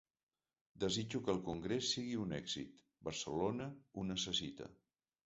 Desitjo que el congrés sigui un èxit, Barcelona ho necessita.